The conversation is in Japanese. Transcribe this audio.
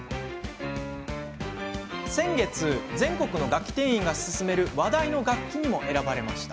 先月、全国の楽器店員がすすめる話題の楽器にも選ばれました。